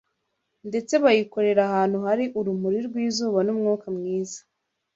ndetse bayikorera ahantu hari urumuri rw’izuba n’umwuka mwiza.